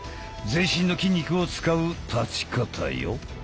全身の筋肉を使う立ち方よ。